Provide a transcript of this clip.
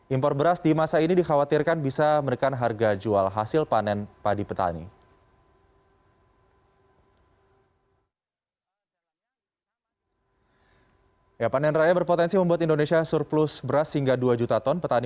impor beras di masa ini dikhawatirkan bisa menekan harga jual hasil panen padi petani